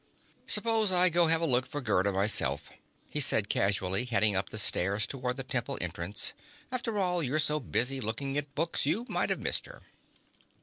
"Suppose I go have a look for Gerda myself," he said casually, heading up the stairs toward the temple entrance. "After all, you're so busy looking at books, you might have missed her."